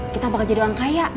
kita bakal jadi orang kaya